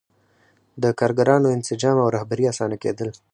د کارګرانو انسجام او رهبري اسانه کېدل.